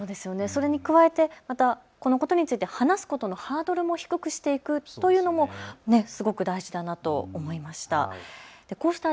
それに加えてまたこのことについて話すことのハードルも低くしていくというのもすごく大事だなと思いました。